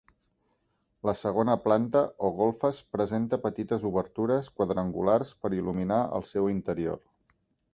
La segona planta o golfes presenta petites obertures quadrangulars per il·luminar el seu interior.